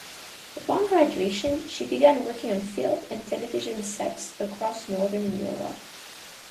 Upon graduation she began working on film and television sets across northern Europe.